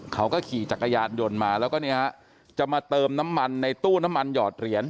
เขาก็ขี่จักรยานยนต์มาแล้วก็เนี่ยฮะจะมาเติมน้ำมันในตู้น้ำมันหอดเหรียญ